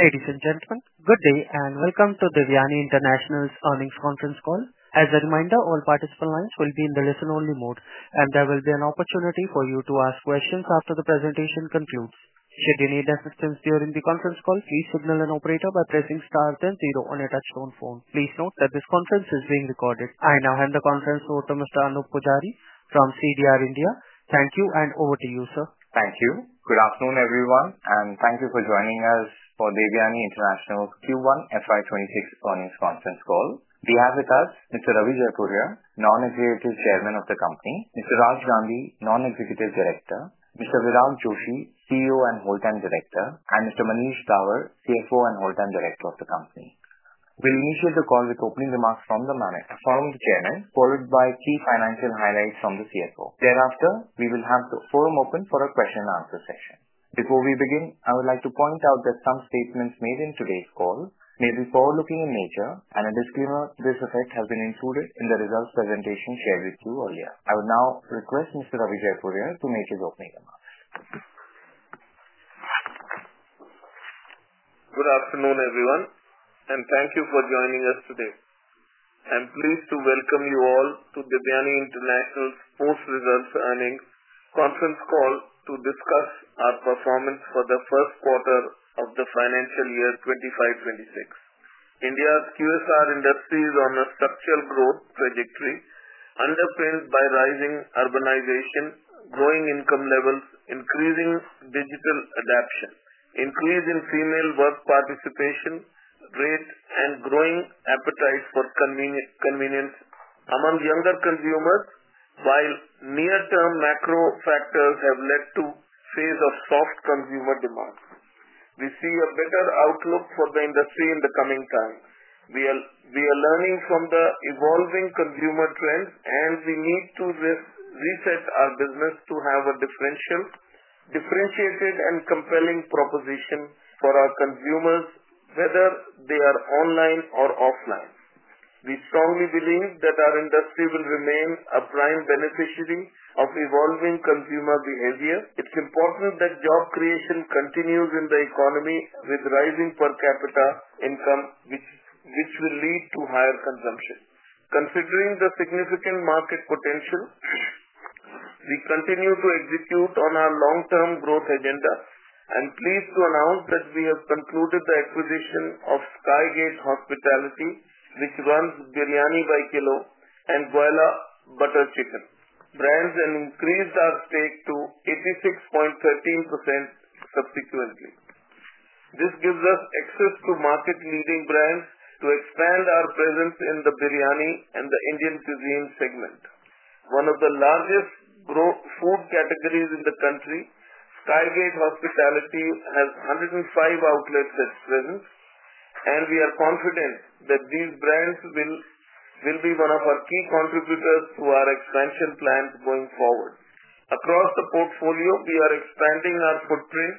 Ladies and gentlemen, good day and welcome to the Devyani International's Earnings Conference Call. As a reminder, all participant lines will be in the listen-only mode, and there will be an opportunity for you to ask questions after the presentation concludes. Should you need assistance during the conference call, please signal an operator by pressing star 10 on your touch-tone phone. Please note that this conference is being recorded. I now hand the conference over to Mr. Anup Poojari from CDR India. Thank you, and over to you, sir. Thank you. Good afternoon, everyone, and thank you for joining us for Devyani International's Q1 FY2026 Earnings Conference Call. We have with us Mr. Ravi Jaipuria, Non-Executive Chairman of the company, Mr. Raj Gandhi, Non-Executive Director, Mr. Virag Joshi, CEO and Whole-Time Director, and Mr. Manish Dawar, CFO and Whole-Time Director of the company. We'll initiate the call with opening remarks from the Management Forum Chairman, followed by key financial highlights from the CFO. Thereafter, we will have the forum open for a question-and-answer session. Before we begin, I would like to point out that some statements made in today's call may be forward-looking in nature, and a disclaimer to this effect has been included in the results presentation shared with you earlier. I will now request Mr. Ravi Jaipuria to make his opening remarks. Good afternoon, everyone, and thank you for joining us today. I'm pleased to welcome you all to Devyani International 's Post-Results Earnings Conference Call to discuss our performance for the first quarter of the financial year 2025-2026. India's QSR industry is on a structural growth trajectory, underpinned by rising urbanization, growing income levels, increasing digital adoption, increasing female work participation rates, and growing appetite for convenience among younger consumers. While near-term macro factors have led to a phase of soft consumer demand, we see a better outlook for the industry in the coming times. We are learning from the evolving consumer trends, and we need to reset our business to have a differentiated and compelling proposition for our consumers, whether they are online or offline. We strongly believe that our industry will remain a prime beneficiary of evolving consumer behavior. It's important that job creation continues in the economy with rising per capita income, which will lead to higher consumption. Considering the significant market potential, we continue to execute on our long-term growth agenda. I'm pleased to announce that we have concluded the acquisition of Sky Gate Hospitality, which runs Biryani By Kilo and Goila Butter Chicken brands, and increased our stake to 86.13% subsequently. This gives us access to market-leading brands to expand our presence in the biryani and the Indian cuisine segment, one of the largest food categories in the country. Sky Gate Hospitality has 105 outlets at present, and we are confident that these brands will be one of our key contributors to our expansion plans going forward. Across the portfolio, we are expanding our footprint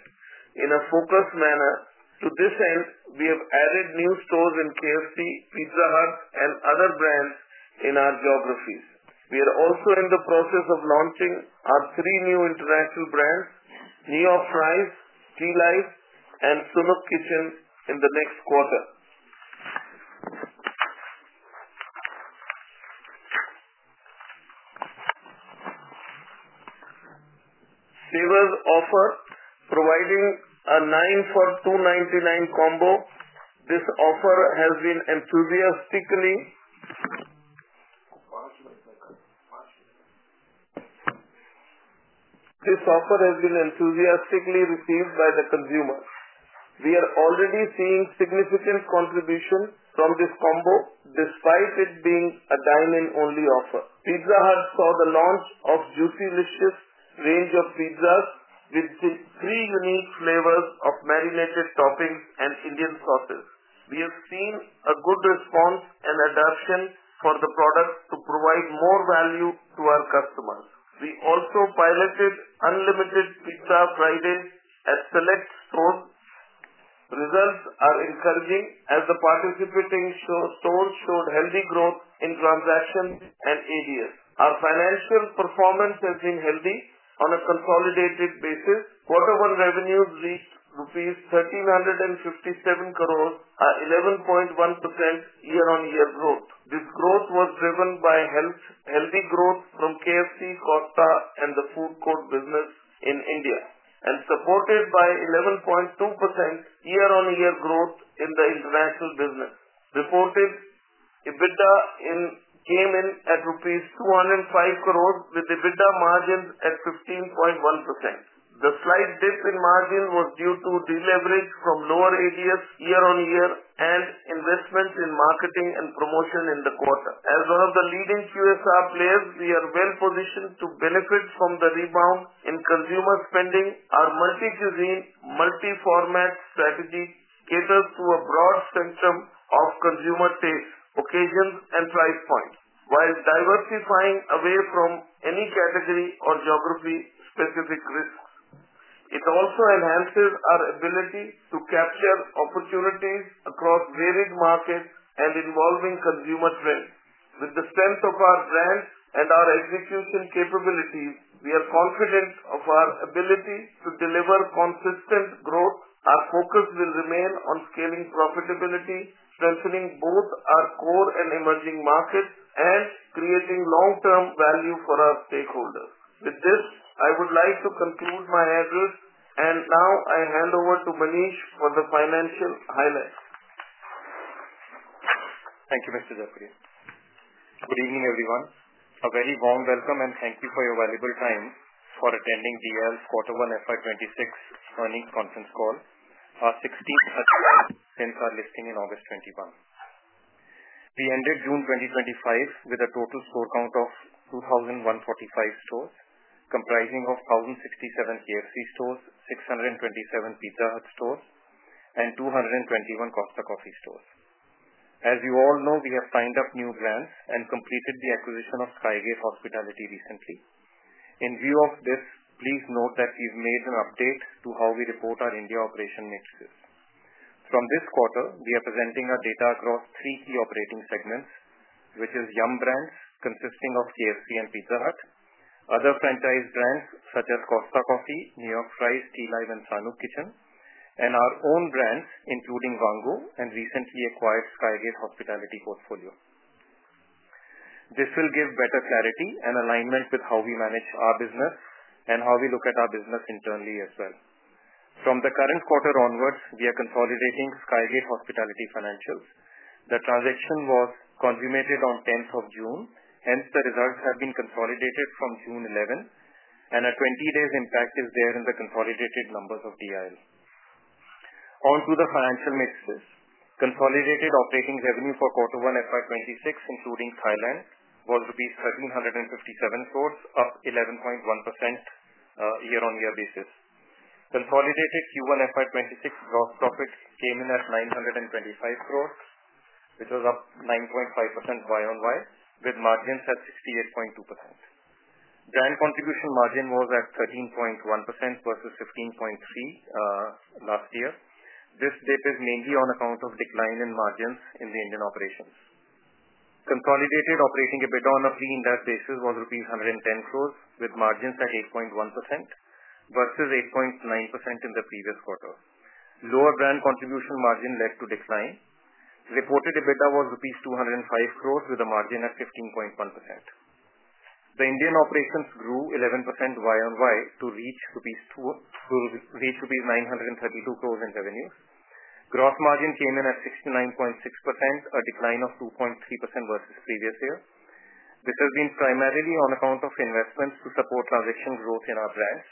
in a focused manner. To this end, we have added new stores in KFC, Pizza Hut, and other brands in our geographies. We are also in the process of launching our three new international brands: New York Fries, G-Life, and Sanook Kitchen in the next quarter. Seaworth offer, providing a 9 for 299 combo, this offer has been enthusiastically received by the consumer. We are already seeing significant contribution from this combo, despite it being a dine-in-only offer. Pizza Hut saw the launch of Juicy Wishes range of pizzas with three unique flavors of marinated toppings and Indian sauces. We have seen a good response and adoption for the products to provide more value to our customers. We also piloted unlimited pizza fried in a select store. Results are encouraging, as the participating stores showed healthy growth in transactions and ADS. Our financial performance has been healthy on a consolidated basis. Quarter one revenue reached INR 1,357 crore, a 11.1% year-on-year growth. This growth was driven by healthy growth from KFC, Costa Coffee, and the food court business in India, and supported by 11.2% year-on-year growth in the international business. Reported EBITDA came in at rupees 205 crore, with EBITDA margins at 15.1%. The slight dip in margins was due to deleverage from lower ADS year-on-year and investments in marketing and promotion in the quarter. As one of the leading QSR players, we are well-positioned to benefit from the rebound in consumer spending. Our multi-cuisine, multi-format strategy caters to a broad spectrum of consumer tastes, occasions, and price points, while diversifying away from any category or geography-specific risks. It also enhances our ability to capture opportunities across varied markets and evolving consumer trends. With the strength of our brands and our execution capabilities, we are confident of our ability to deliver consistent growth. Our focus will remain on scaling profitability, strengthening both our core and emerging markets, and creating long-term value for our stakeholders. With this, I would like to conclude my address, and now I hand over to Manish for the financial highlights. Thank you, Mr. Jaipuria. Good evening, everyone. A very warm welcome and thank you for your valuable time for attending Devyani's Quarter One FY2026 Earnings Conference Call, our 16th touch-point, 10th since our listing in August 2021. We ended June 2025 with a total store count of 2,145 stores, comprising 1,067 KFC stores, 627 Pizza Hut stores, and 221 Costa Coffee stores. As you all know, we have signed up new brands and completed the acquisition of Sky Gate Hospitality recently. In view of this, please note that we've made an update to how we report our India operation mixes. From this quarter, we are presenting our data across three key operating segments, which are Yum Brands, consisting of KFC and Pizza Hut, other franchise brands such as Costa Coffee, New York Fries, G-Life, and Sanook Kitchen, and our own brands, including The Bhojan and the recently acquired Sky Gate Hospitality portfolio. This will give better clarity and alignment with how we manage our business and how we look at our business internally as well. From the current quarter onwards, we are consolidating Sky Gate Hospitality financials. The transaction was consummated on June 10, hence the results have been consolidated from June 11, and a 20-day impact is there in the consolidated numbers of Devyani. Onto the financial mixes, consolidated operating revenue for Quarter One FY2026, including Thailand, was rupees 1,357 crores, up 11.1% on a year-on-year basis. Consolidated Q1 FY2026 gross profits came in at 925 crores, which was up 9.5% year-on-year, with margins at 68.2%. Brand contribution margin was at 13.1% versus 15.3% last year. This dip is mainly on account of a decline in margins in the Indian operations. Consolidated operating EBITDA on a pre-Ind AS basis was INR 110 crores, with margins at 8.1% versus 8.9% in the previous quarter. Lower brand contribution margin led to decline. Reported EBITDA was rupees 205 crores, with a margin at 15.1%. The Indian operations grew 11% year-on-year to reach rupees 932 crores in revenues. Gross margin came in at 69.6%, a decline of 2.3% versus previous year. This has been primarily on account of investment to support transaction growth in our brands.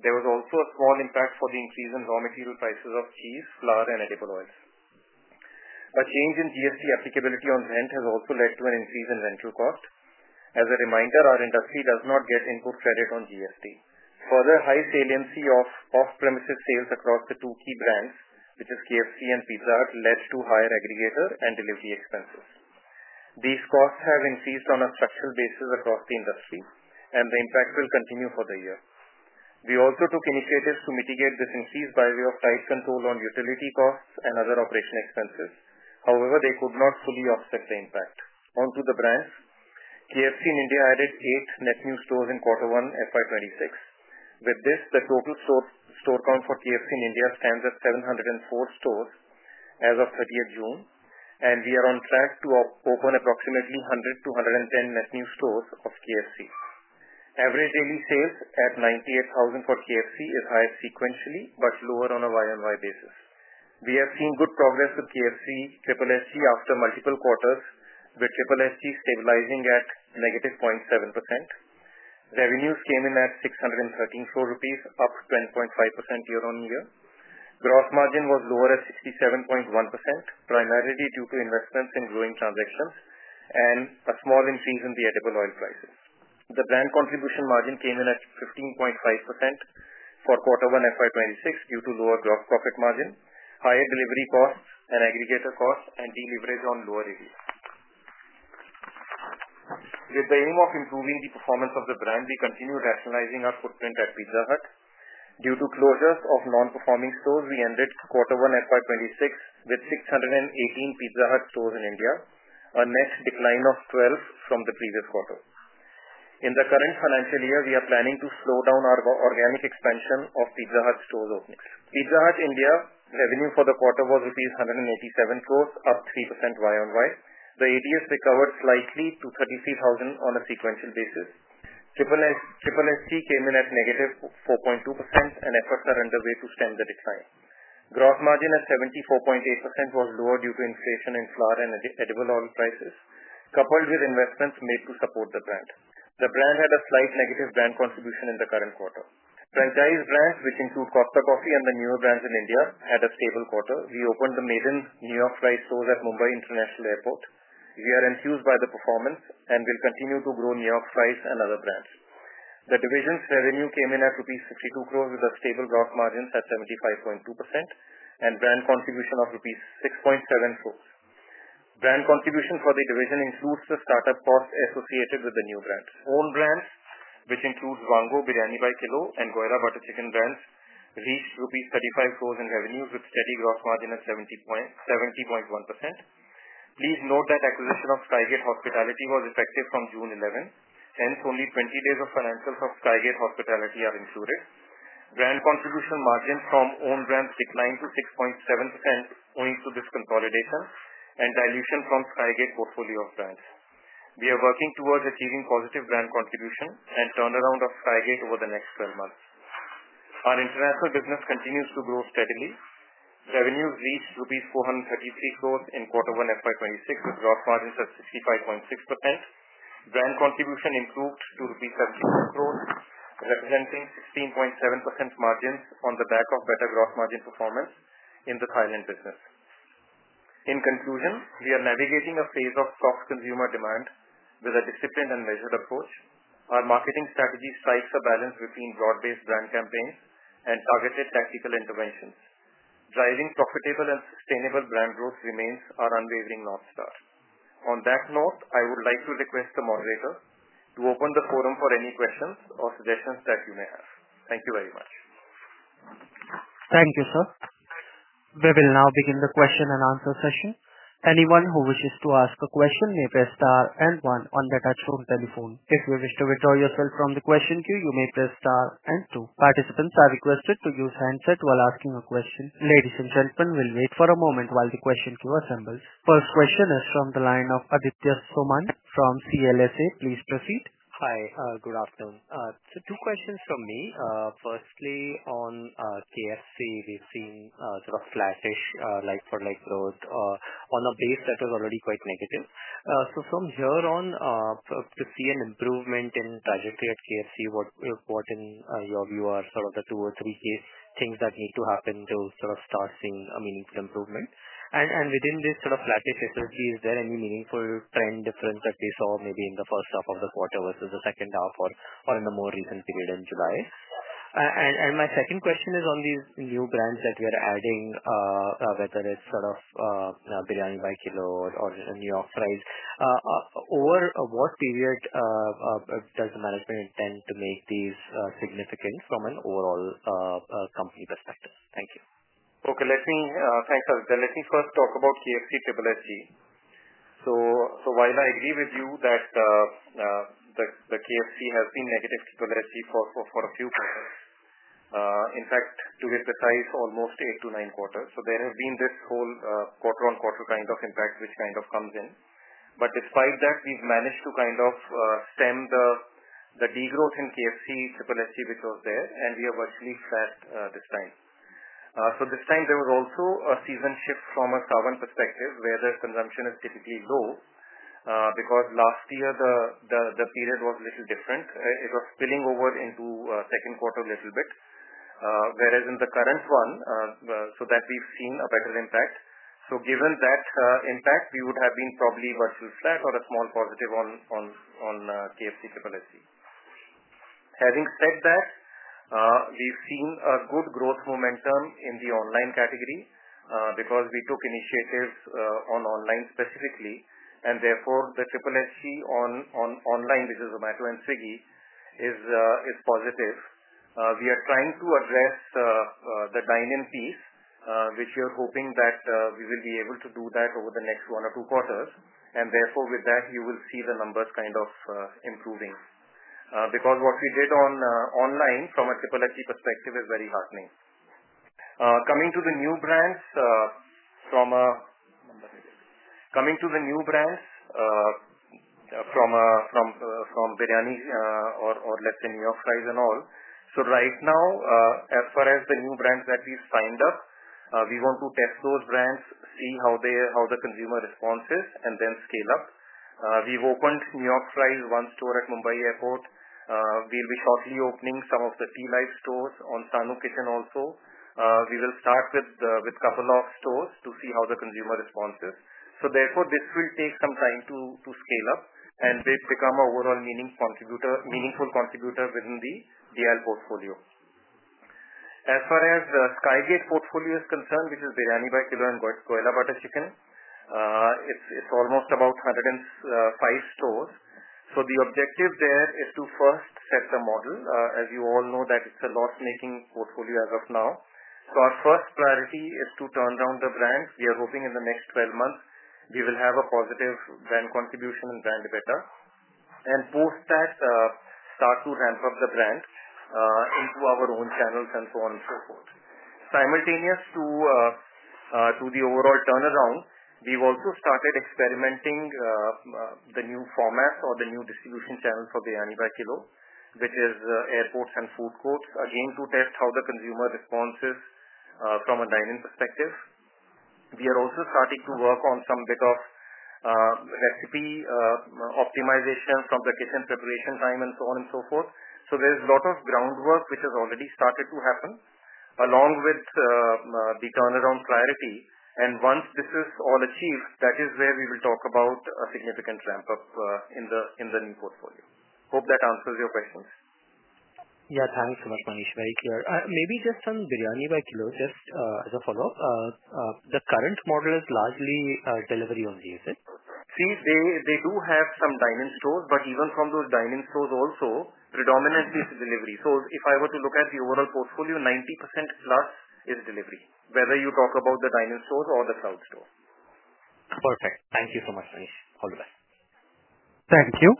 There was also a small impact from the increase in raw material prices of cheese, flour, and edible oils. A change in GST applicability on rent has also led to an increase in rental cost. As a reminder, our industry does not get input credit on GST. Further, high saliency of off-premises sales across the two key brands, which are KFC and Pizza Hut, led to higher aggregator and delivery expenses. These costs have increased on a structural basis across the industry, and the impact will continue for the year. We also took initiatives to mitigate this increase by way of tight control on utility costs and other operational expenses. However, they could not fully offset the impact. Onto the brands, KFC in India added eight net new stores in Quarter One FY2026. With this, the total store count for KFC in India stands at 704 stores as of June 30, and we are on track to open approximately 100-110 net new stores of KFC. Average sales at 98,000 for KFC is high sequentially, but lower on a year-on-year basis. We are seeing good progress with KFC, SSSG after multiple quarters, with SSSG stabilizing at -0.7%. Revenues came in at 613 crore rupees, up 20.5% year-on-year. Gross margin was lower at 67.1%, primarily due to investments in growing transactions and a small increase in the edible oil prices. The brand contribution margin came in at 15.5% for Quarter One FY2026 due to lower gross profit margin, higher delivery costs and aggregator costs, and deleverage on lower ADS. With the aim of improving the performance of the brand, we continue rationalizing our footprint at Pizza Hut. Due to closures of non-performing stores, we ended Quarter One FY2026 with 618 Pizza Hut stores in India, a net decline of 12 from the previous quarter. In the current financial year, we are planning to slow down our organic expansion of Pizza Hut stores' openings. Pizza Hut India revenue for the quarter was rupees 187 crore, up 3% year-on-year. The ADS recovered slightly to 33,000 on a sequential basis. SSSG came in at -4.2%, and efforts are underway to stem the decline. Gross margin at 74.8% was lower due to inflation in flour and edible oil prices, coupled with investments made to support the brand. The brand had a slight negative brand contribution in the current quarter. Franchise brands, which include Costa Coffee and the newer brands in India, had a stable quarter. We opened the maiden New York Fries stores at Mumbai International Airport. We are enthused by the performance and will continue to grow New York Fries and other brands. The division's revenue came in at 62 crore rupees, with a stable gross margin at 75.2% and brand contribution of 6.7 crore. Brand contribution for the division includes the startup costs associated with the new brand. Own brands, which include Biryani By Kilo and Goila Butter Chicken brands, reached rupees 35 crore in revenues, with steady gross margin at 70.1%. Please note that acquisition of Sky Gate Hospitality was effective on June 11, hence only 20 days of financials of Sky Gate Hospitality are included in the brand contribution. Margin from own brands declined to 6.7% owing to this consolidation and dilution from Sky Gate portfolio of brands. We are working towards achieving positive brand contribution and turnaround of Sky Gate over the next 12 months. Our international business continues to grow steadily. Revenues reached rupees 433 crore in Q1 FY2026, with gross margins of 65.6%. Brand contribution improved to rupees 74 crore, representing 16.7% margins on the back of better gross margin performance in the Thailand business. In conclusion, we are navigating a phase of soft consumer demand with a disciplined and measured approach. Our marketing strategy strikes a balance between broad-based brand campaigns and targeted tactical interventions. Driving profitable and sustainable brand growth remains our unwavering north star. On that note, I would like to request the moderator to open the forum for any questions or suggestions that you may have. Thank you very much. Thank you, sir. We will now begin the question-and-answer session. Anyone who wishes to ask a question may press star and one on their touch-tone telephone. If you wish to withdraw yourself from the question queue, you may press star and two. Participants are requested to use handsets while asking a question. Ladies and gentlemen, we'll wait for a moment while the question queue assembles. First question is from the line of Aditya Soman from CLSA. Please proceed. Hi, good afternoon. Two questions from me. Firstly, on KFC, we've seen sort of flat-ish like-for-like growth on a base that is already quite negative. From here on, to see an improvement in trajectory at KFC, what in your view are the two or three key things that need to happen to start seeing a meaningful improvement? Within this sort of flat-ish trajectory, is there any meaningful trend difference that we saw maybe in the first half of the quarter versus the second half or in the more recent period in July? My second question is on these new brands that we are adding, whether it's Biryani By Kilo or New York Fries, over what period does the management intend to make these significant from an overall company perspective? Thank you. Okay, thanks, Aditya. Let me first talk about KFC SSSG. While I agree with you that KFC has been negative SSSG for a few quarters, in fact, to give the ties, almost eight to nine quarters, there has been this whole quarter-on-quarter kind of impact, which comes in. Despite that, we've managed to stem the degrowth in KFC SSSG, which was there, and we are working fast this time. This time there was also a season shift from a calendar perspective where the consumption is typically low, because last year the period was a little different. It was spilling over into a second quarter a little bit, whereas in the current one, we've seen a better impact. Given that impact, we would have been probably versus that or a small positive on KFC SSSG. Having said that, we've seen a good growth momentum in the online category, because we took initiatives on online specifically, and therefore the SSSG on online digital matter and signing is positive. We are trying to address the dine-in piece, which we are hoping that we will be able to do that over the next one or two quarters. Therefore, with that, you will see the numbers improving. What we did on online from a triple A key perspective is very heartening. Coming to the new brands, from a number, I guess, coming to the new brands, from Biryani By Kilo or let's say New York Fries and all. Right now, as far as the new brands that we've signed up, we want to test those brands, see how the consumer response is, and then scale up. We've opened New York Fries, one store at Mumbai Airport. We'll be shortly opening some of the G-Life stores on Sanook Kitchen also. We will start with a couple of stores to see how the consumer response is. Therefore, this will take some time to scale up and become an overall meaningful contributor within the DIL portfolio. As far as the Sky Gate Hospitality portfolio is concerned, which is Biryani By Kilo and Goila Butter Chicken, it's almost about 105 stores. The objective there is to first set the model. As you all know, it's a loss-making portfolio as of now. Our first priority is to turn around the brand. We are hoping in the next 12 months, we will have a positive brand contribution and brand EBITDA. Post that, start to ramp up the brand into our own channels and so on and so forth. Simultaneous to the overall turnaround, we've also started experimenting with the new formats or the new distribution channel for Biryani By Kilo, which is airports and food courts, again to test how the consumer responses from a dine-in perspective. We are also starting to work on some bit of recipe optimization from the kitchen preparation time and so on and so forth. There's a lot of groundwork, which has already started to happen along with the turnaround clarity. Once this is all achieved, that is where we will talk about a significant ramp-up in the new portfolio. Hope that answers your questions. Yeah. Thanks, Anup. Very clear. Maybe just on Biryani By Kilo, just as a follow-up, the current model is largely delivery only, is it? They do have some dine-in stores, but even from those dine-in stores also, predominantly it's delivery. If I were to look at the overall portfolio, 90%+ is delivery, whether you talk about the dine-in stores or the crowd store. Perfect. Thank you so much, Ravi. All the best. Thank you.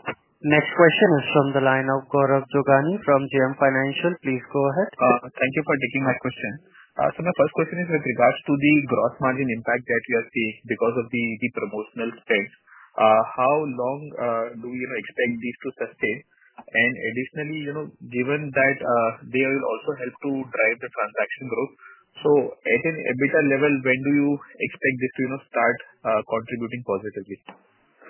Next question was from the line of Gaurav Jogani from JM Financial. Please go ahead. Thank you for taking my question. My first question is with regards to the gross margin impact that you are seeing because of the promotional space. How long do you expect these to sustain? Additionally, given that they will also help to drive the transaction growth, at an EBITDA level, when do you expect it to start contributing positively?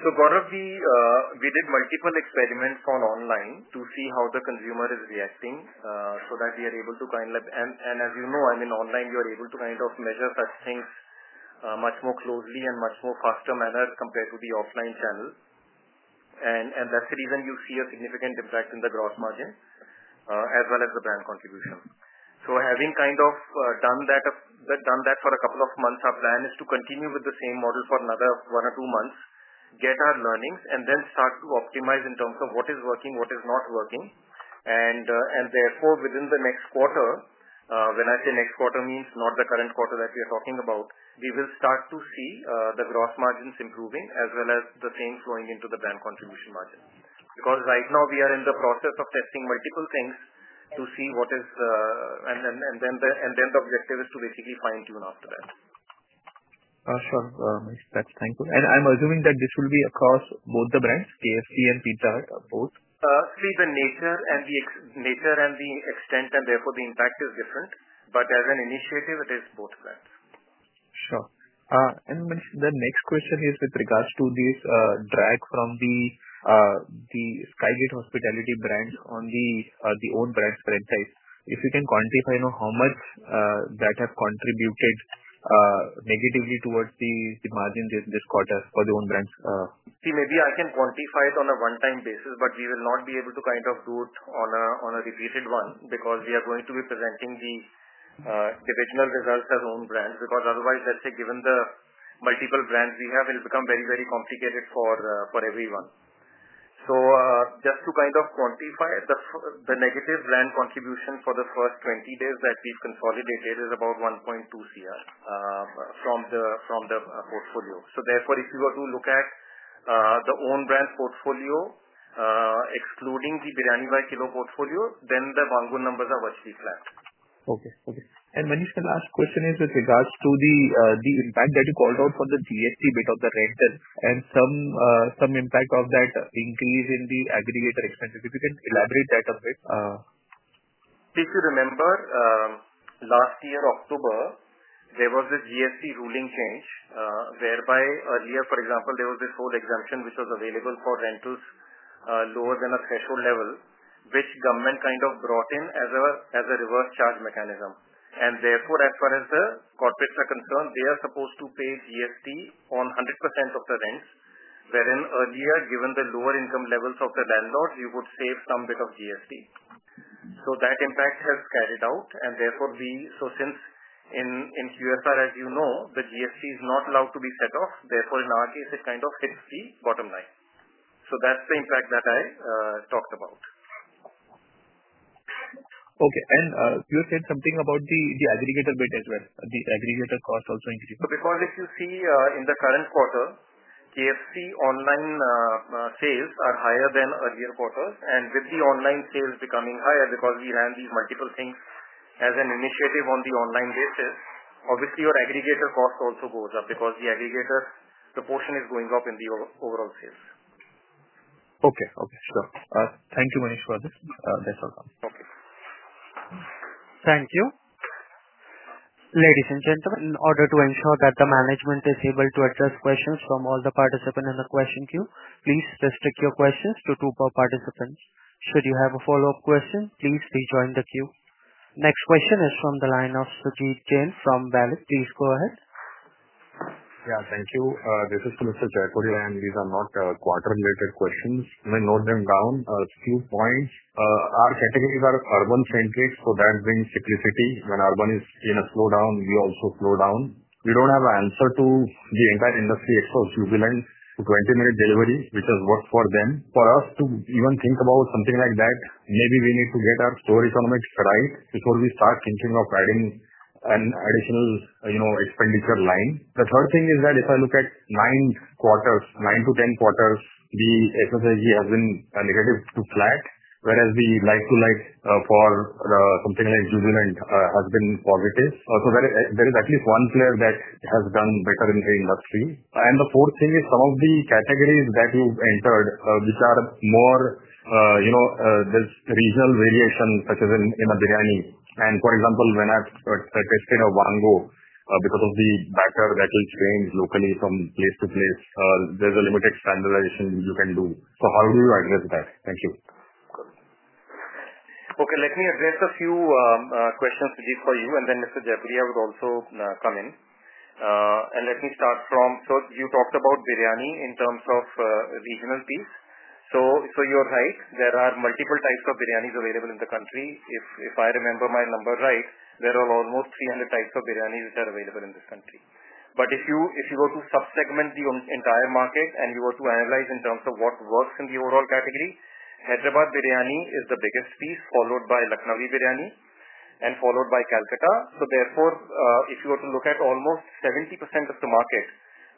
Gaurav, we did multiple experiments online to see how the consumer is reacting so that we are able to kind of, and as you know, I mean, online you are able to kind of measure such things much more closely and in a much faster manner compared to the offline channel. That's the reason you see a significant impact in the gross margin as well as the brand contribution. Having kind of done that for a couple of months, our plan is to continue with the same model for another one or two months, get our learnings, and then start to optimize in terms of what is working and what is not working. Therefore, within the next quarter—when I say next quarter, it means not the current quarter that we are talking about—we will start to see the gross margins improving as well as the same flowing into the brand contribution margin. Right now we are in the process of testing multiple things to see what is, and then the objective is to basically fine-tune after that. Sure, that's thankful. I'm assuming that this will be across both the brands, KFC and Pizza Hut, both? See, the nature and the extent, and therefore the impact is different. As an initiative, it is both brands. Sure. The next question is with regards to this drag from the Sky Gate Hospitality brand on the own brands franchise. If you can quantify how much that has contributed negatively towards the margin this quarter for the own brands. Maybe I can quantify it on a one-time basis, but we will not be able to kind of do it on a repeated one because we are going to be presenting the original results as own brands. Because otherwise, let's say given the multiple brands we have, it will become very, very complicated for everyone. Just to kind of quantify it, the negative brand contribution for the first 20 days that we've consolidated is about 1.2 crore from the portfolio. Therefore, if you were to look at the own brand portfolio, excluding the Biryani By Kilo portfolio, then the numbers are actually flat. Okay. Okay. Manish, the last question is with regards to the impact that you called out for the GST bit of the rent and some impact of that increase in the aggregator expenses. If you can elaborate that a bit. If you remember, last year, October, there was a GST ruling change whereby earlier, for example, there was this whole exemption, which was available for renters lower than a threshold level, which government kind of brought in as a reverse charge mechanism. Therefore, as far as the context is concerned, they are supposed to pay GST on 100% of the rents, wherein earlier, given the lower income levels of the landlords, you would save some bit of GST. That impact has carried out. Therefore, since in QSR, as you know, the GST is not allowed to be set off, in our case, it kind of tips the bottom line. That's the impact that I talked about. Okay. You had said something about the aggregator bit as well. The aggregator cost also increased. If you see in the current quarter, KFC online sales are higher than earlier quarters. With the online sales becoming higher because we ran these multiple things as an initiative on the online basis, obviously, your aggregator cost also goes up because the aggregator proportion is going up in the overall sales. Okay. Thank you, Manish, for this. Thank you. Ladies and gentlemen, in order to ensure that the management is able to address questions from all the participants in the question queue, please restrict your questions to two per participant. Should you have a follow-up question, please rejoin the queue. Next question is from the line of Sujit Jain from BALIC. Please go ahead. Yeah, thank you. This is for Mr. Jaipuria, and these are not quarter-related questions. Let me note them down. Two points. Our categories are carbon-centric, so that brings cyclicity. When carbon is in a slowdown, we also slow down. We don't have an answer to the entire industry for fuel billions to 20-minute delivery. It does work for them. For us to even think about something like that, maybe we need to get our store economics right before we start thinking of adding an additional, you know, expenditure line. The third thing is that if I look at nine quarters, nine to ten quarters, the SSSG has been negative to flat, whereas the like-to-like for something like fuel billions has been positive. There is at least one player that has done better in the industry. The fourth thing is some of the categories that we've entered, which are more, you know, there's regional variation such as in a biryani. For example, when I've purchased in a vangu because of the batter that will change locally from place to place, there's a limited standardization you can do. How do you address that? Thank you. Okay, let me address a few questions for you, and then Mr. Jaipuria would also come in. Let me start from, you talked about biryani in terms of regional piece. You're right. There are multiple types of biryanis available in the country. If I remember my number right, there are almost 300 types of biryanis which are available in this country. If you were to subsegment the entire market and you were to analyze in terms of what works in the overall category, Hyderabad biryani is the biggest piece, followed by Lucknowi biryani, and followed by Calcutta. If you were to look at almost 70% of the market,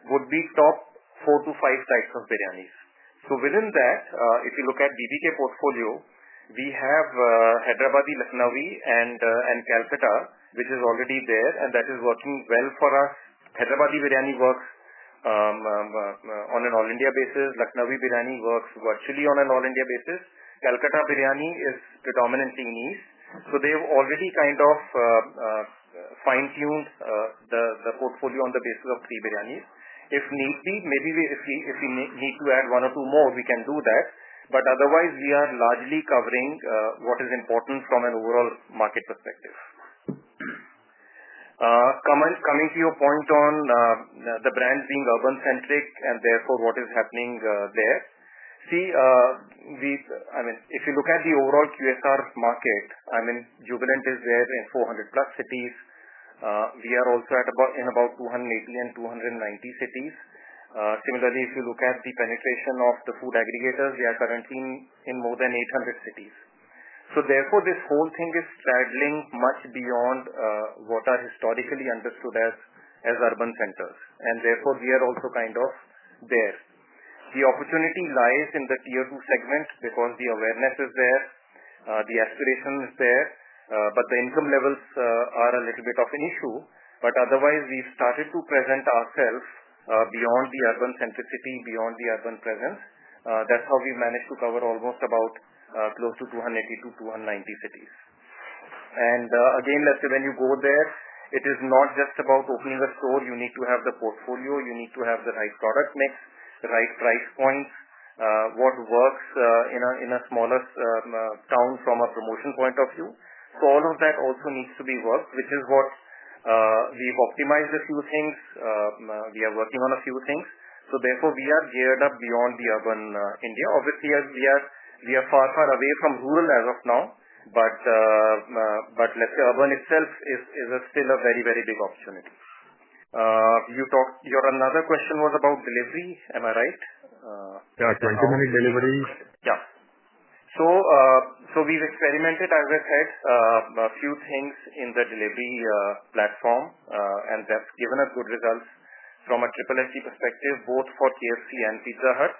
it would be top four to five types of biryanis. Within that, if you look at Biryani By Kilo portfolio, we have Hyderabad, Lucknowi, and Calcutta, which is already there, and that is working well for us. Hyderabad biryani works on an all-India basis. Lucknowi biryani works virtually on an all-India basis. Calcutta biryani is predominantly niche. They've already kind of fine-tuned the portfolio on the basis of three biryanis. If need be, maybe if we need to add one or two more, we can do that. Otherwise, we are largely covering what is important from an overall market perspective. Coming to your point on the brands being urban-centric and therefore what is happening there. If you look at the overall QSR market, Jubilant is there in 400 + cities. We are also in about 280 and 290 cities. Similarly, if you look at the penetration of the food aggregators, they are currently in more than 800 cities. Therefore, this whole thing is traveling much beyond what are historically understood as urban centers. We are also kind of there. The opportunity lies in the tier-two segments because the awareness is there. The aspiration is there. The income levels are a little bit of an issue. Otherwise, we started to present ourselves beyond the urban-centricity, beyond the urban presence. That's how we managed to cover almost about close to 280-290 cities. When you go there, it is not just about opening a store. You need to have the portfolio. You need to have the right product mix, the right price points, what works in a smaller town from a promotion point of view. All of that also needs to be worked, which is what we've optimized a few things. We are working on a few things. Therefore, we are geared up beyond the urban India. Obviously, we are far, far away from rural as of now. Urban itself is still a very, very big opportunity. Your another question was about delivery. Am I right? Yeah, trying to manage delivery. Yeah. We've experimented, as I said, a few things in the delivery platform, and that's given us good results from a triple AC perspective, both for KFC and Pizza Hut.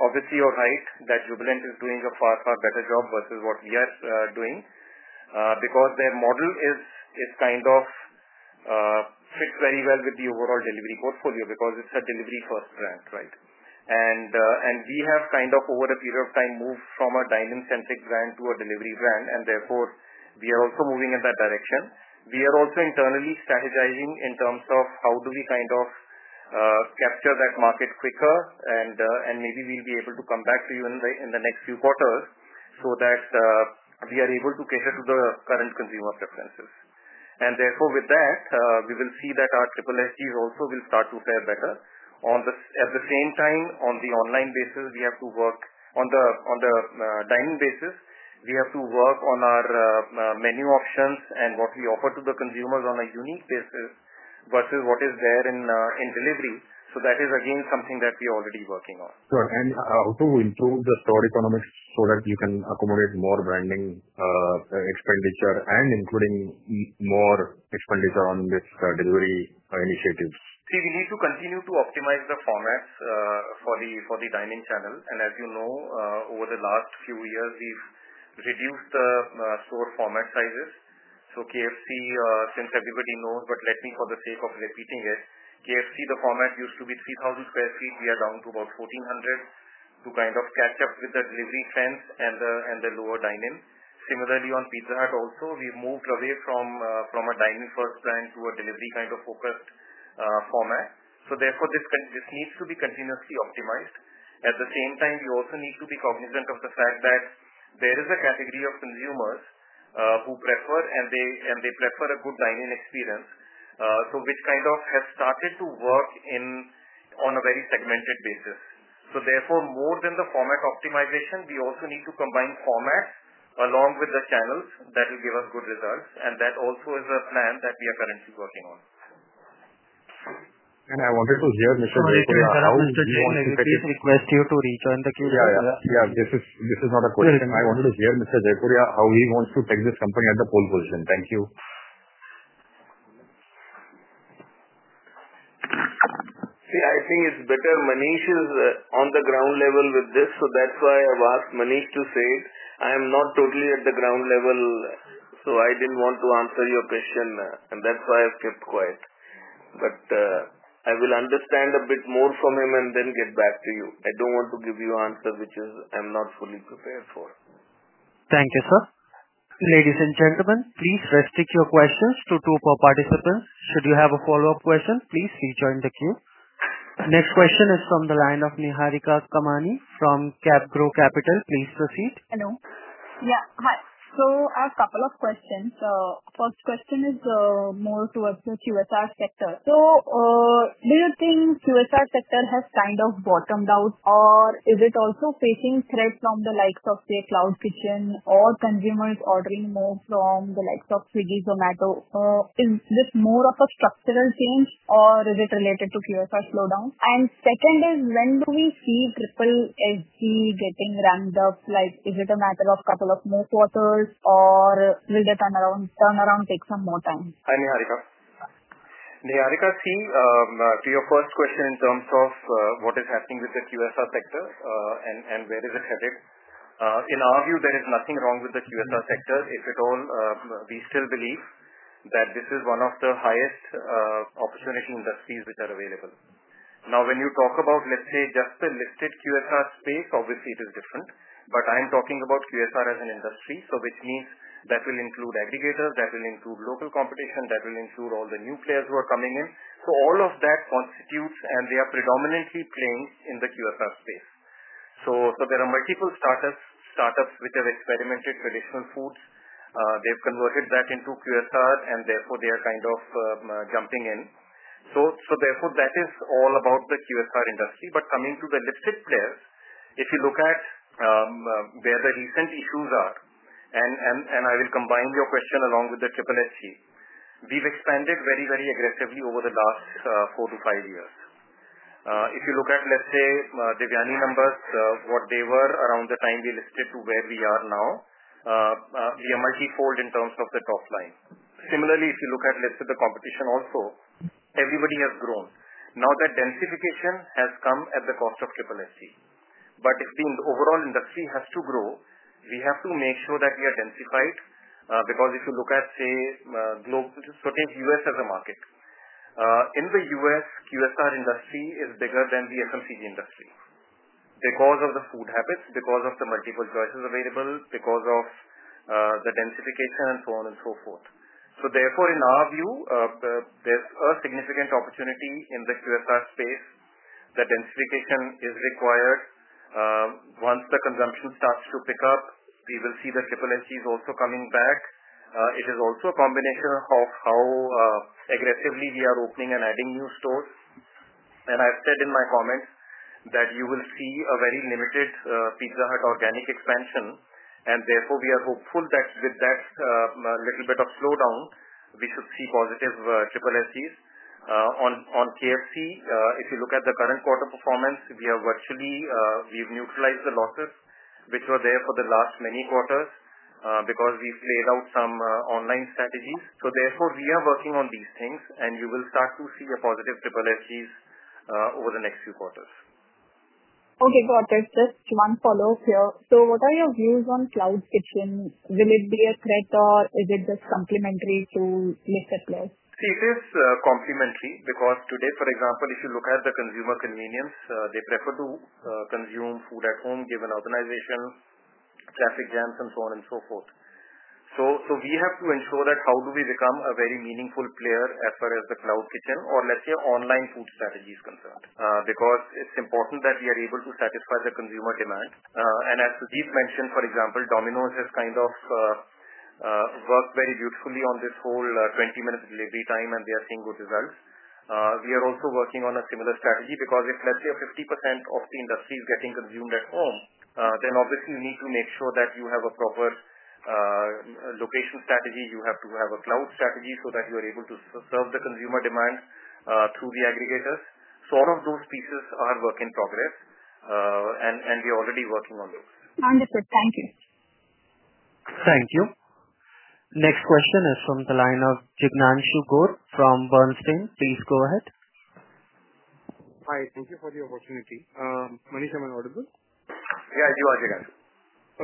Obviously, you're right that Jubilant is doing a far, far better job versus what we are doing because their model kind of fits very well with the overall delivery portfolio because it's a delivery-first brand, right? We have kind of, over a period of time, moved from a dine-in-centric brand to a delivery brand. Therefore, we are also moving in that direction. We are also internally strategizing in terms of how we kind of capture that market quicker. Maybe we'll be able to come back to you in the next few quarters so that we are able to cater to the current consumer preferences. Therefore, with that, we will see that our SSSDs also will start to pair better. At the same time, on the online basis, we have to work on the dine-in basis. We have to work on our menu options and what we offer to the consumers on a unique basis versus what is there in delivery. That is, again, something that we are already working on. How to improve the store economics so that you can accommodate more branding expenditure, including more expenditure on this delivery initiative? See, we need to continue to optimize the formats for the dine-in channels. As you know, over the last few years, we've reduced the store format sizes. KFC, since everybody knows, but let me, for the sake of repeating it, KFC, the format used to be 3,000 sq ft. We are down to about 1,400 sq ft to kind of catch up with the delivery trends and the lower dine-in. Similarly, on Pizza Hut also, we've moved away from a dine-in-first brand to a delivery kind of focused format. Therefore, this needs to be continuously optimized. At the same time, we also need to be cognizant of the fact that there is a category of consumers who prefer, and they prefer a good dine-in experience, which kind of has started to work on a very segmented basis. Therefore, more than the format optimization, we also need to combine formats along with the channels that will give us good results. That also is a plan that we are currently working on. I wanted to hear Mr. Jaipuria how he wants to take this question. I'm sorry. Please request you to rejoin the queue. Yeah, this is not a question. I wanted to hear Mr. Jaipuria, how he wants to take this company at the pole position. Thank you. I think it's better Manish is on the ground level with this. That's why I want Manish to say it. I am not totally at the ground level, so I didn't want to answer your question. That's why I've kept quiet. I will understand a bit more from him and then get back to you. I don't want to give you an answer which I'm not fully prepared for. Thank you, sir. Ladies and gentlemen, please restrict your questions to two participants. Should you have a follow-up question, please rejoin the queue. Next question is from the line of Niharika Kumari from CapGrow Capital. Please proceed. Hello. Yeah, hi. I have a couple of questions. The first question is more towards the QSR sector. Do you think the QSR sector has kind of bottomed out, or is it also facing threats from the likes of, say, Cloud Kitchen or consumers ordering more from the likes of Swiggy, Zomato? Is this more of a structural change, or is it related to QSR slowdown? When do we see SSSG getting ramped up? Is it a matter of a couple of more quarters, or will the turnaround take some more time? Hi, Niharika. Niharika, see, to your first question in terms of what is happening with the QSR sector and where is it headed, in our view, there is nothing wrong with the QSR sector if at all. We still believe that this is one of the highest opportunity industries which are available. Now, when you talk about, let's say, just the listed QSR space, obviously, it is different. I'm talking about QSR as an industry, which means that will include aggregators, that will include local competition, that will include all the new players who are coming in. All of that constitutes, and they are predominantly playing in the QSR space. There are multiple startups which have experimented with traditional foods. They've converted that into QSR, and therefore, they are kind of jumping in. That is all about the QSR industry. Coming to the listed players, if you look at where the recent issues are, and I will combine your question along with the SSSG, we've expanded very, very aggressively over the last four to five years. If you look at, let's say, Devyani numbers, what they were around the time we listed to where we are now, we are multifold in terms of the top line. Similarly, if you look at, let's say, the competition also, everybody has grown. Now that densification has come at the cost of SSSG. If the overall industry has to grow, we have to make sure that we are densified. If you look at, say, global, take the U.S. as a market. In the U.S., the QSR industry is bigger than the FMCG industry because of the food habits, because of the multiple choices available, because of the densification, and so on and so forth. In our view, there's a significant opportunity in the QSR space. The densification is required. Once the consumption starts to pick up, we will see the SSSG is also coming back. It is also a combination of how aggressively we are opening and adding new stores. I've said in my comments that you will see a very limited Pizza Hut organic expansion. We are hopeful that with that little bit of slowdown, we should see positive SSSGs. On KFC, if you look at the current quarter performance, we have virtually, we've neutralized the losses, which were there for the last many quarters because we've laid out some online strategies. We are working on these things, and you will start to see a positive SSSG over the next few quarters. Okay, Dawar, just one follow-up here. What are your views on cloud kitchen? Will it be a threat, or is it just complementary to Lifted Plus? It is complementary because today, for example, if you look at the consumer convenience, they prefer to consume food at home, given organization, traffic jams, and so on and so forth. We have to ensure that we become a very meaningful player as far as the cloud kitchen or, let's say, online food strategy is concerned because it's important that we are able to satisfy the consumer demand. As Sujit mentioned, for example, Domino's has kind of worked very beautifully on this whole 20-minute delivery time, and they are seeing good results. We are also working on a similar strategy because if, let's say, 50% of the industry is getting consumed at home, then obviously, you need to make sure that you have a proper location strategy. You have to have a cloud strategy so that you are able to serve the consumer demand through the aggregators. Sort of those pieces are work in progress, and we are already working on those. 100%. Thank you. Thank you. Next question is from the line of Jignanshu Gor from Bernstein. Please go ahead. Hi. Thank you for the opportunity. Manish, am I on an order? Yeah, you are, Jignanshu.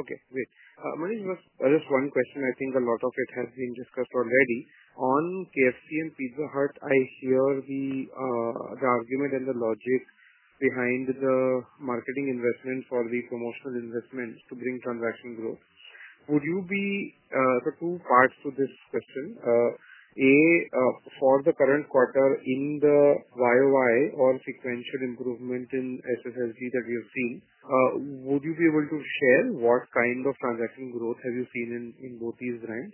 Okay, great. Manish, just one question. I think a lot of it has been discussed already. On KFC and Pizza Hut, I hear the argument and the logic behind the marketing investment for the promotional investment to bring transaction growth. Would you be, so two parts to this question. A, for the current quarter, in the YOY or sequential improvement in SSSG that you've seen, would you be able to share what kind of transaction growth have you seen in both these brands?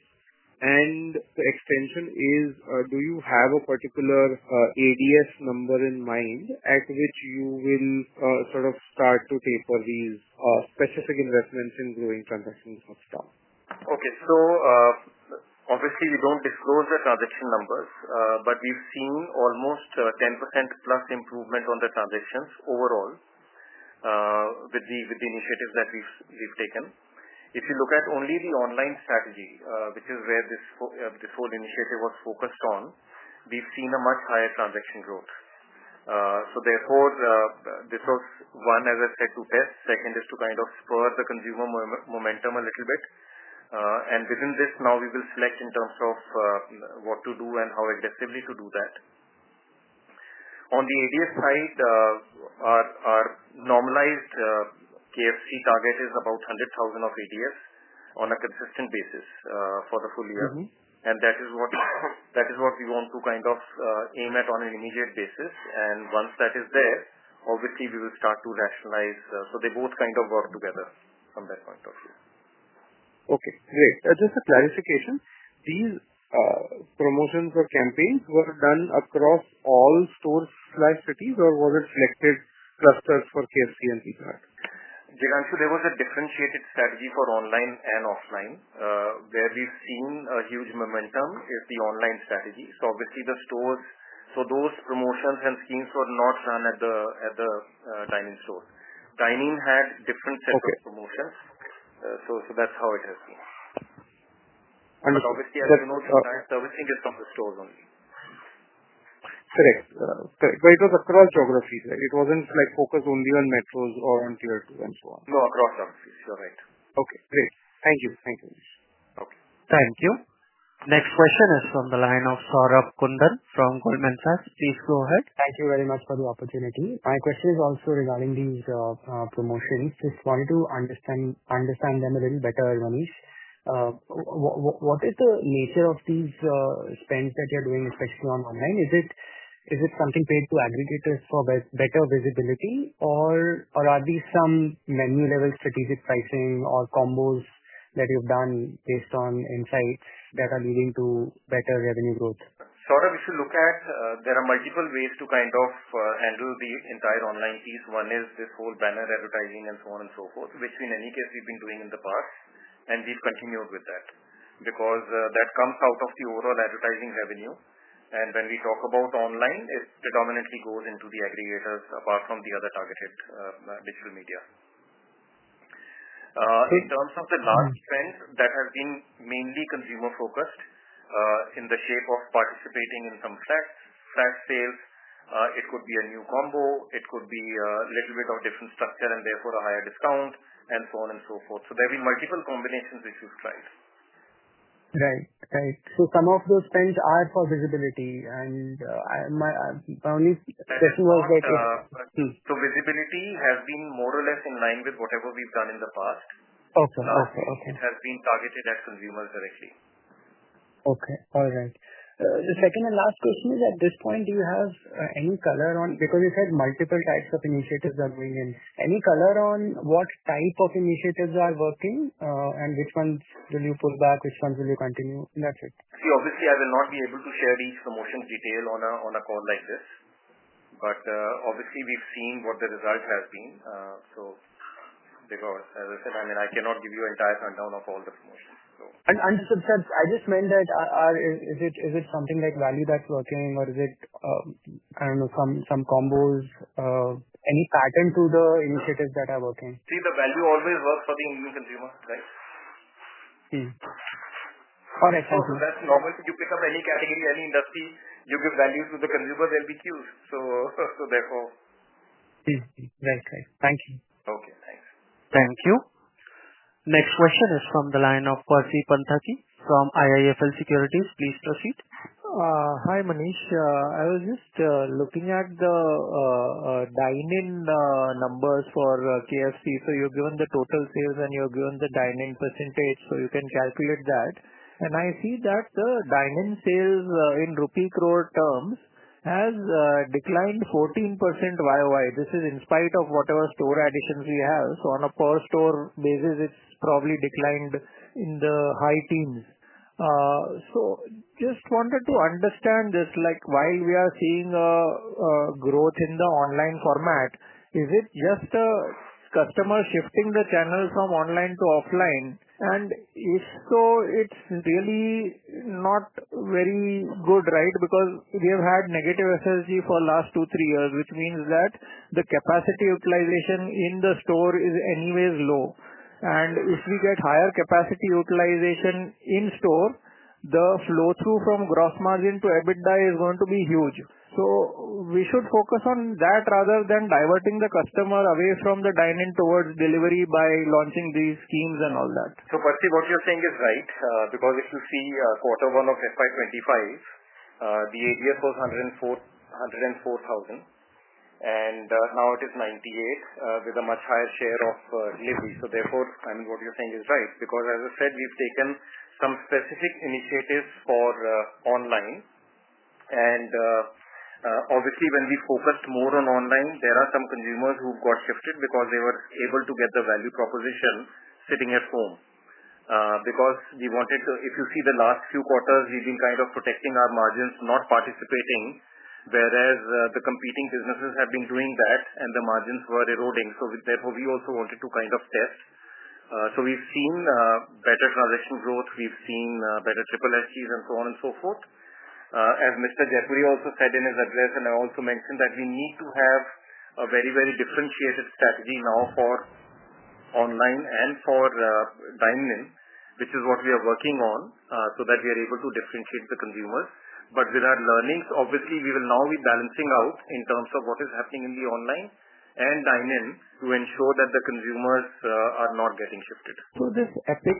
The extension is, do you have a particular ABS number in mind at which you will sort of start to taper these specific investments in growing transactions upstart? Okay. Obviously, we don't disclose the transaction numbers, but we've seen almost 10%+ improvement on the transactions overall with the initiatives that we've taken. If you look at only the online strategy, which is where this whole initiative was focused on, we've seen a much higher transaction growth. Therefore, this was one, as I said, to test. Second is to kind of spur the consumer momentum a little bit. Within this, now we will select in terms of what to do and how aggressively to do that. On the ABS side, our normalized KFC target is about 100,000 of ABS on a consistent basis for the full year. That is what we want to kind of aim at on an immediate basis. Once that is there, obviously, we will start to rationalize. They both kind of work together from that point of view. Okay, great. Just a clarification. These promotions or campaigns were done across all stores or cities, or was it selected clusters for KFC and Pizza Hut? Jignanshu, there was a differentiated strategy for online and offline. Where we've seen a huge momentum is the online strategy. Obviously, the stores, those promotions and schemes were not run at the dining store. Dining had different sets of promotions. That's how it has been. Understood. As you know, the dining servicing is from the stores only. Correct. It was across geographies, right? It wasn't like focused only on metros or on tier two and so on. No, across geographies. You're right. Okay, great. Thank you. Thank you. Okay. Thank you. Next question was from the line of Saurabh Kundan from Goldman Sachs. Please go ahead. Thank you very much for the opportunity. My question is also regarding these promotions. Just wanted to understand them a little better, Manish. What is the nature of these spends that you're doing, especially on online? Is it something paid to aggregators for better visibility, or are these some menu-level strategic pricing or combos that you've done based on insights that are leading to better revenue growth? Saurabh, if you look at it, there are multiple ways to kind of handle the entire online piece. One is this whole banner advertising and so on and so forth, which in any case we've been doing in the past. We've continued with that because that comes out of the overall advertising revenue. When we talk about online, it predominantly goes into the aggregators apart from the other targeted digital media. In terms of the large spend, that has been mainly consumer-focused in the shape of participating in some flat sales. It could be a new combo. It could be a little bit of different structure and therefore a higher discount and so on and so forth. There have been multiple combinations which we've tried. Right. Some of those spends are for visibility. My only question was that. Visibility has been more or less in line with whatever we've done in the past. Okay. Okay. Okay. It has been targeted at consumers directly. All right. The second and last question is, at this point, do you have any color on, because you said multiple types of initiatives are going in, any color on what type of initiatives are working and which ones will you pull back, which ones will you continue? That's it. Obviously, I will not be able to share these promotions in detail on a call like this. Obviously, we've seen what the result has been. As I said, I cannot give you an entire rundown of all the promotions. I understood. I just meant that is it something like value that's working, or is it, I don't know, some combos? Any pattern to the initiatives that are working? See, the value always works for the end consumer, right? Okay. That's normal. If you pick up any category, any industry, you give value to the consumers, they'll be queues. Therefore. Right. Right. Thank you. Okay. Thanks. Thank you. Next question is from the line of Percy Panthaki from IIFL Securities. Please proceed. Hi, Manish. I was just looking at the dine-in numbers for KFC. You are given the total sales and you are given the dine-in percentage. You can calculate that. I see that the dine-in sales in rupee crore terms has declined 14% YOY. This is in spite of whatever store additions we have. On a per-store basis, it's probably declined in the high teens. I just wanted to understand this, like why we are seeing a growth in the online format. Is it just the customer shifting the channel from online to offline? If so, it's really not very good, right? We have had negative SSSG for the last two, three years, which means that the capacity utilization in the store is anyways low. If we get higher capacity utilization in-store, the flow-through from gross margin to EBITDA is going to be huge. We should focus on that rather than diverting the customer away from the dine-in towards delivery by launching these schemes and all that. Percy, what you're saying is right because if you see quarter one of FY2025, the ABS was 104,000. Now it is 98,000 with a much higher share of ESV. What you're saying is right because, as I said, we've taken some specific initiatives for online. Obviously, when we've focused more on online, there are some consumers who've got shifted because they were able to get the value proposition sitting at home. We wanted to, if you see the last few quarters, we've been kind of protecting our margins, not participating, whereas the competing businesses have been doing that and the margins were eroding. We also wanted to kind of test. We've seen better transaction growth. We've seen better SSSG and so on and so forth. As Mr. Jaipuria also said in his address, and I also mentioned that we need to have a very, very differentiated strategy now for online and for dine-in, which is what we are working on so that we are able to differentiate the consumers. With our learnings, obviously, we will now be balancing out in terms of what is happening in the online and dine-in to ensure that the consumers are not getting shifted. This Epic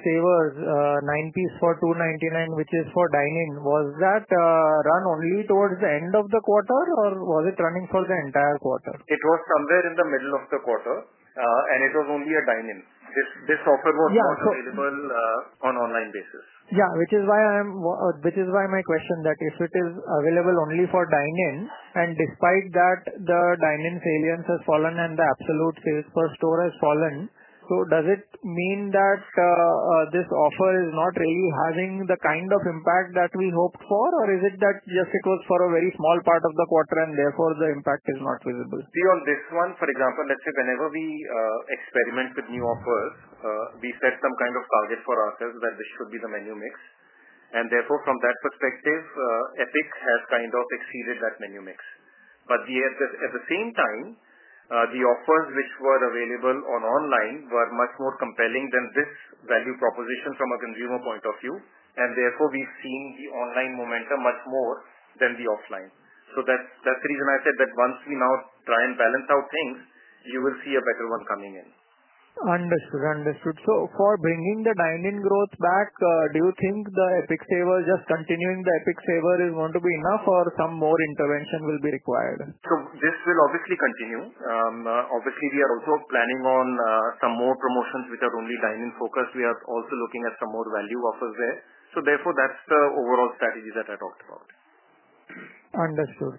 Savers nine-piece for 299, which is for dine-in, was that run only towards the end of the quarter, or was it running for the entire quarter? It was somewhere in the middle of the quarter, and it was only a dine-in. This offer was not available on an online basis. Which is why my question is that if it is available only for dine-in, and despite that, the dine-in salience has fallen and the absolute sales per store has fallen, does it mean that this offer is not really having the kind of impact that we hoped for, or is it that it was just for a very small part of the quarter and therefore the impact is not visible? See, on this one, for example, let's say whenever we experiment with new offers, we set some kind of target for ourselves that this should be the menu mix. Therefore, from that perspective, Epic has kind of exceeded that menu mix. At the same time, the offers which were available online were much more compelling than this value proposition from a consumer point of view. Therefore, we've seen the online momentum much more than the offline. That's the reason I said that once we now try and balance out things, you will see a better one coming in. Understood. For bringing the dine-in growth back, do you think the Epic Savers, just continuing the Epic Savers, is going to be enough, or some more intervention will be required? This will obviously continue. We are also planning on some more promotions with our only dine-in focus. We are also looking at some more value offers there. Therefore, that's the overall strategy that I talked about. Understood.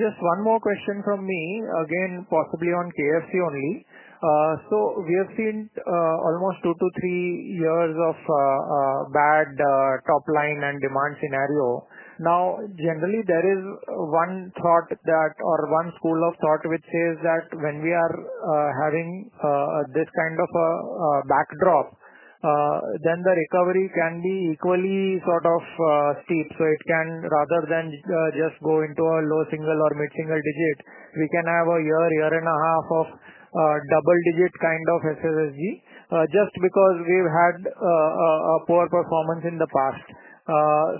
Just one more question from me. Again, possibly on KFC only. We have seen almost two to three years of a bad top line and demand scenario. Generally, there is one school of thought which says that when we are having this kind of a backdrop, the recovery can be equally sort of steep. It can, rather than just go into a low single or mid-single digit, we can have a year, year and a half of double-digit kind of SSG just because we've had a poor performance in the past.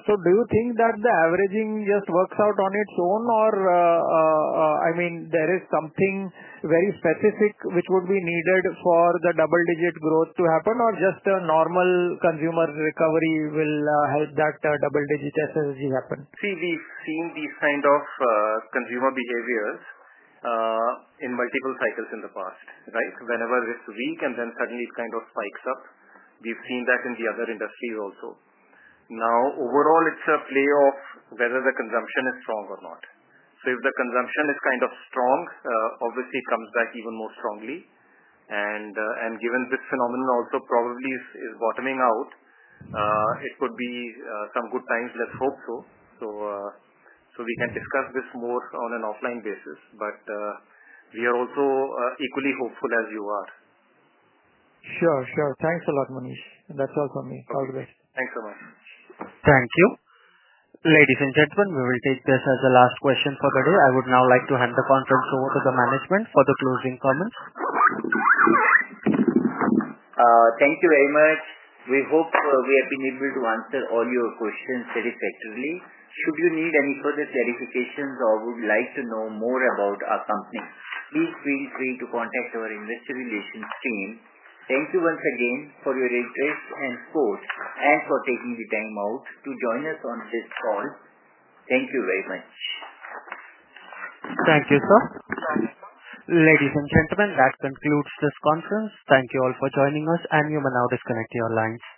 Do you think that the averaging just works out on its own, or there is something very specific which would be needed for the double-digit growth to happen, or just a normal consumer recovery will help that double-digit SSG happen? See, we've seen these kind of consumer behaviors in multiple cycles in the past, right? Whenever this is weak and then suddenly it kind of spikes up, we've seen that in the other industries also. Now, overall, it's a play of whether the consumption is strong or not. If the consumption is kind of strong, obviously, it comes back even more strongly. Given this phenomenon also probably is bottoming out, it could be some good times. Let's hope so. We can discuss this more on an offline basis. We are also equally hopeful as you are. Sure. Thanks a lot, Manish. That's all for me. All the best. Thanks so much. Thank you. Ladies and gentlemen, we will take this as the last question for the day. I would now like to hand the conference over to the management for the closing comments. Thank you very much. We hope we have been able to answer all your questions satisfactorily. Should you need any further clarifications or would like to know more about our company, please feel free to contact our investor relations team. Thank you once again for your interest and thoughts and for taking the time out to join us on this call. Thank you very much. Thank you, sir. Ladies and gentlemen, that concludes this conference. Thank you all for joining us, and we will now disconnect your lines.